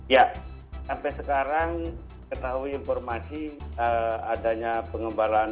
ya sampai sekarang kita tahu informasi adanya pengembaraan